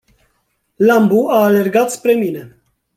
Lambu a alergat spre mine.